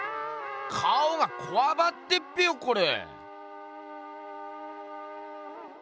顔がこわばってっぺよコレ。